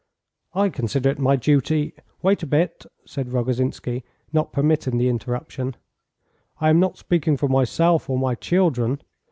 "I consider it my duty " "Wait a bit," said Rogozhinsky, not permitting the interruption. "I am not speaking for myself or my children.